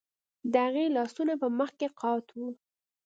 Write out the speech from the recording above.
د هغې لاسونه په مخ کې قات وو